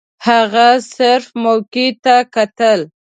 هغه صرف موقع ته کتل.